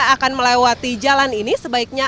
akan melewati jalan ini sebaiknya